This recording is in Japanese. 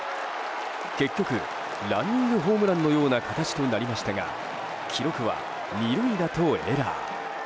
結局ランニングホームランのような形となりましたが記録は、２塁打とエラー。